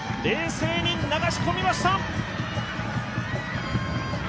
冷静に流し込みました。